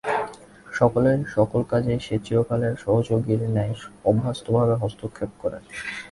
সকলের সকল কাজেই সে চিরকালের সহযোগীর ন্যায় অভ্যস্তভাবে হস্তক্ষেপ করে।